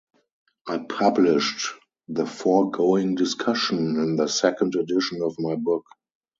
I published the foregoing discussion in the second edition of my book.